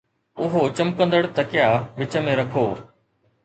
اهو چمڪندڙ تکيا وچ ۾ رکو